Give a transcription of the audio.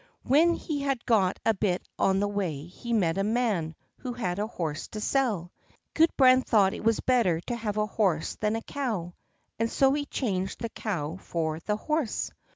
When he had got a bit on the way he met a man who had a horse to sell, and Gudbrand thought it was better to have a horse than a cow, and so he changed the cow for the horse.